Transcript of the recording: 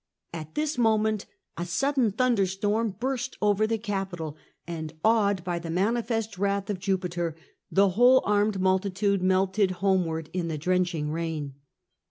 At this moment a sudden thunderstorm burst over the Oapitol, and, awed by the manifest wrath of Jupiter, the whole armed multitude melted homeward in the drenching rain.